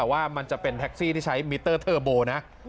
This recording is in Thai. ว่ามันจะเป็นแท็กซี่ที่ใช้มิเตอร์เทอร์โบนะ